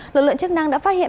lực lượng chức năng đã phát hiện